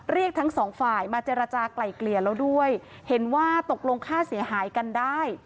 เรียกทั้งสองฝ่ายมาเจรจากลายเกลี่ยแล้วด้วยเห็นว่าตกลงค่าเสียหายกันได้